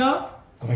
ごめん。